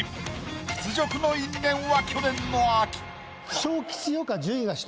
屈辱の因縁は去年の秋。